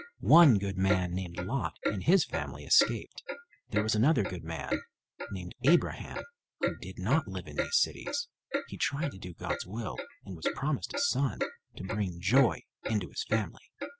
One good man named Lot and his family escaped. There was another good man named Abraham who did not live in these cities. He tried to do God's will and was promised a son to bring joy into his family.